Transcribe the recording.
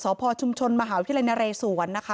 สพชมหาวิทยาลัยนรสวนนะคะ